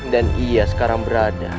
dan ia sekarang berada